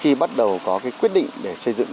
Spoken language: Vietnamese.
khi bắt đầu có quyết định để xây dựng